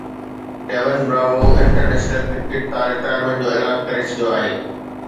ڊيوين Bravo international cricket تان retirement جو اعلان ڪري ڇڏيو آهي